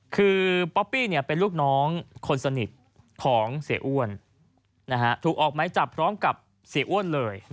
คือป๊อปปี้เป็นลูกน้องคนสนิทของเสียอ้วนถูกออกไม้จับพร้อมกับเสียอ้วนเลย